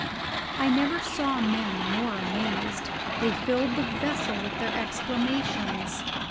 I never saw men more amazed. They filled the vessel with their exclamations.